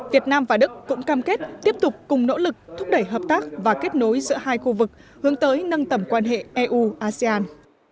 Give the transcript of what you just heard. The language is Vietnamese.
việt nam và đức cũng cam kết tiếp tục cùng nỗ lực thúc đẩy hợp tác và kết nối giữa hai khu vực hướng tới nâng tầm quan hệ eu asean